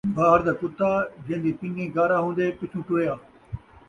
کمبھار دا کتّا ، جین٘دی پنی گارا ہون٘دے پچھوں ٹریا